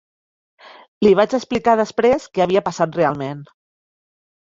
Li vaig explicar després què havia passat realment.